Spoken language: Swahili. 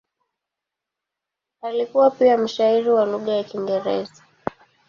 Alikuwa pia mshairi wa lugha ya Kiingereza.